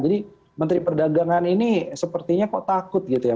jadi menteri perdagangan ini sepertinya kok takut gitu ya